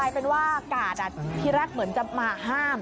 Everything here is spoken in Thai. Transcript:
เป็นว่ากาดทีแรกเหมือนจะมาห้าม